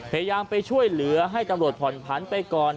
พยายามไปช่วยเหลือให้ตำรวจผ่อนผันไปก่อน